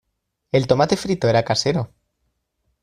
El tomate frito era casero.